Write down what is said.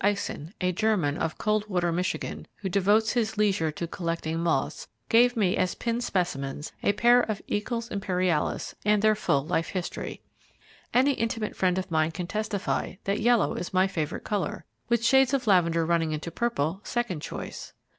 Eisen, a German, of Coldwater, Michigan, who devotes his leisure to collecting moths, gave me as pinned specimens a pair of Eacles Imperialis, and their full life history. Any intimate friend of mine can testify that yellow is my favourite colour, with shades of lavender running into purple, second choice.